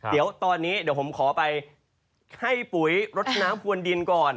เดี๋ยวตอนนี้เดี๋ยวผมขอไปให้ปุ๋ยรดน้ำพวนดินก่อน